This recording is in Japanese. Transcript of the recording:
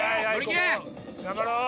頑張ろう！